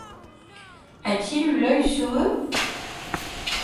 A-t-il eu l’œil sur eux ?